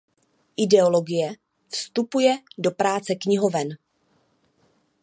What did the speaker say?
Ideologie vstupuje do práce knihoven.